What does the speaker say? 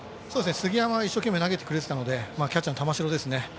杉山は一生懸命投げてくれていたのでまあキャッチャーの玉城ですね。